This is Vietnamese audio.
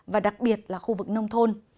và đặc biệt là khu vực nông thôn